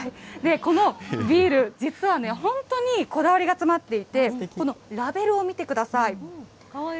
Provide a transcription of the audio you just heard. このビール、実はね、本当にこだわりが詰まっていて、このラベルを見てください。